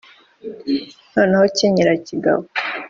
noneho kenyera kigabo,